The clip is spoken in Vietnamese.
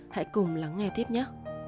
hãy cùng lắng nghe tiếp nhé